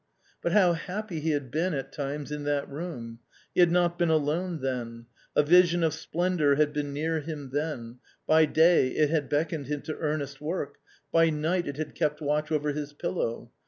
But how happy he had been at times in that room ! he had not been alone then ; a vision of splendour had been near him then, by day it had beckoned him to earnest work, by night it had kept watch over his pillow.